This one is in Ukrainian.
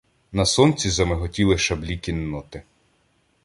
На сонці замиготіли шаблі кінноти.